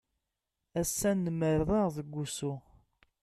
Ass-a nmerreɣ deg usu.